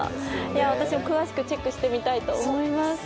私も詳しくチェックしてみたいと思います。